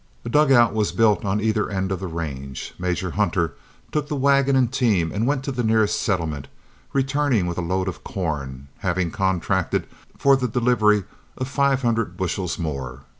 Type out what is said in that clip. A dugout was built on either end of the range. Major Hunter took the wagon and team and went to the nearest settlement, returning with a load of corn, having contracted for the delivery of five hundred bushels more.